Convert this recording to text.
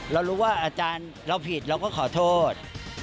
เรารู้ว่าอาจารย์เราผิดเราก็ขอโทษ